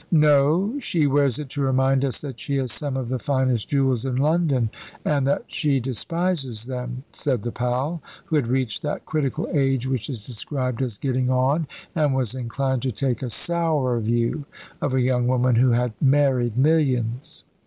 "No; she wears it to remind us that she has some of the finest jewels in London, and that she despises them," said the pal, who had reached that critical age which is described as "getting on," and was inclined to take a sour view of a young woman who had married millions.